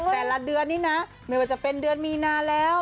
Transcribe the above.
แต่ละเดือนนี้นะไม่ว่าจะเป็นเดือนมีนาแล้ว